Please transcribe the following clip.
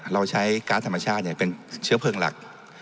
เราใช้การ์ดธรรมชาติเป็นเชื้อเพลิงหลัก